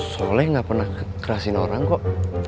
soalnya nggak pernah kerasin orang kok